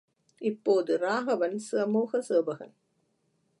இப்போது, ராகவன் சமூக சேவகன்.